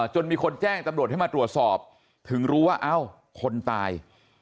จนมีคนแจ้งตำรวจให้มาตรวจสอบถึงรู้ว่าเอ้าคนตาย